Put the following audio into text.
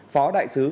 phó đại sứ